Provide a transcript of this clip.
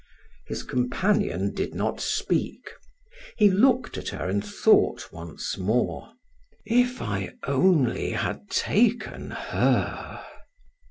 His companion did not speak. He looked at her and thought once more: "If I only had taken her!"